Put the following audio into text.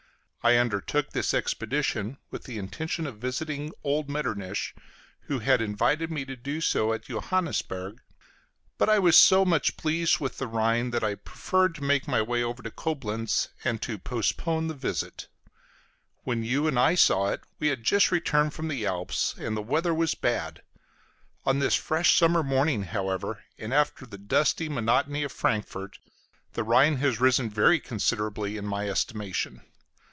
I undertook this expedition with the intention of visiting old Metternich, who had invited me to do so at Johannisberg; but I was so much pleased with the Rhine that I preferred to make my way over to Coblenz and to postpone the visit. When you and I saw it we had just returned from the Alps, and the weather was bad; on this fresh summer morning, however, and after the dusty monotony of Frankfort, the Rhine has risen very considerably in my estimation.